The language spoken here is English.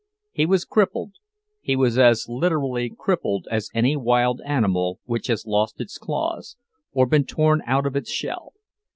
He was crippled—he was as literally crippled as any wild animal which has lost its claws, or been torn out of its shell.